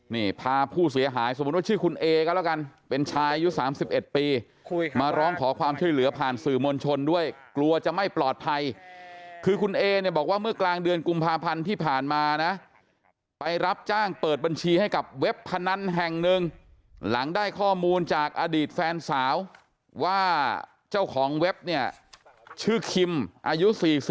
นี่พาผู้เสียหายสมมุติว่าชื่อคุณเอก็แล้วกันเป็นชายอายุ๓๑ปีมาร้องขอความช่วยเหลือผ่านสื่อมวลชนด้วยกลัวจะไม่ปลอดภัยคือคุณเอเนี่ยบอกว่าเมื่อกลางเดือนกุมภาพันธ์ที่ผ่านมานะไปรับจ้างเปิดบัญชีให้กับเว็บพนันแห่งหนึ่งหลังได้ข้อมูลจากอดีตแฟนสาวว่าเจ้าของเว็บเนี่ยชื่อคิมอายุ๔๐